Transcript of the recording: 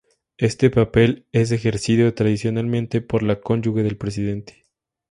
Este papel es ejercido tradicionalmente por la cónyuge del Presidente.